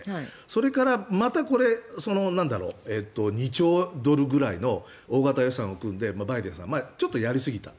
それから、また２兆ドルくらいの大型予算を組んでバイデンさんちょっとやりすぎた。